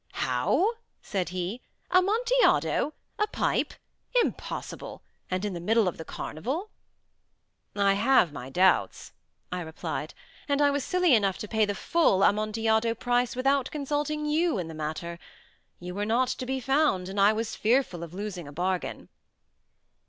"How?" said he. "Amontillado? A pipe? Impossible! And in the middle of the carnival!" "I have my doubts," I replied; "and I was silly enough to pay the full Amontillado price without consulting you in the matter. You were not to be found, and I was fearful of losing a bargain."